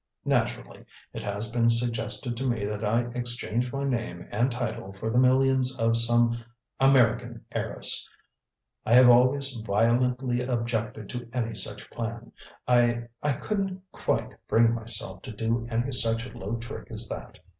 Naturally, it has been suggested to me that I exchange my name and title for the millions of some American heiress. I have always violently objected to any such plan. I I couldn't quite bring myself to do any such low trick as that.